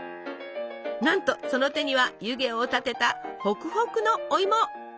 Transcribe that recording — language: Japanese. なんとその手には湯気を立てたホクホクのおいも！